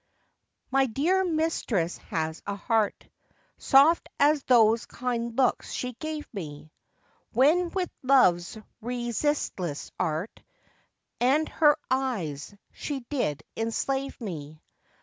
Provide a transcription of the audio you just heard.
My dear mistress has a heart Soft as those kind looks she gave me; When with Love's resistless art, And her eyes, she did enslave me.